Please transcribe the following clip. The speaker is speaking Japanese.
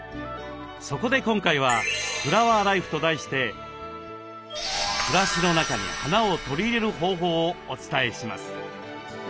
そこで今回は「フラワーライフ」と題して暮らしの中に花を取り入れる方法をお伝えします。